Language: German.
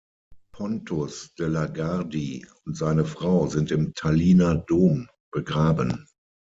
Pontus de la Gardie und seine Frau sind im Tallinner Dom begraben.